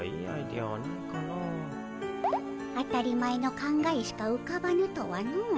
当たり前の考えしかうかばぬとはのう。